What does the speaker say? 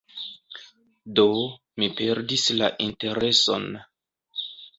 Do, mi perdis la intereson.